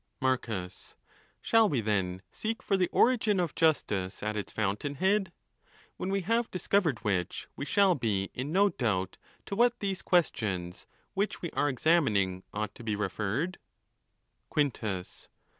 Marcus.—Shall we, then, seek for the origin of justice at: its fountain head? when we have discovered. which, we shall be in no doubt to what these questions which we are examin ~ ing ought to be referred. Quintus.